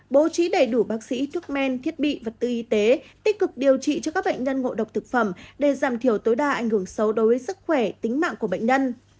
bố trí đầy đủ bác sĩ thuốc men thiết bị vật tư y tế tích cực điều trị cho các bệnh nhân ngộ độc thực phẩm để giảm thiểu tối đa ảnh hưởng xấu đối với sức khỏe tính mạng của bệnh nhân